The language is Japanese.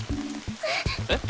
えっ？